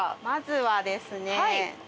まずはですね。